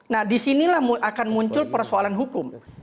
nah disinilah akan muncul persoalan hukum